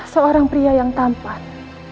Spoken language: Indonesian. seorang pria yang tampan